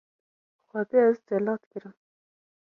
- Xwedê ez celat kirim.